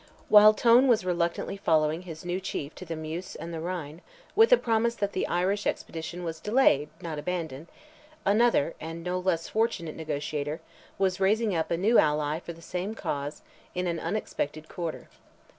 While Tone was reluctantly following his new chief to the Meuse and the Rhine—with a promise that the Irish expedition was delayed, not abandoned—another, and no less fortunate negotiator, was raising up a new ally for the same cause, in an unexpected quarter.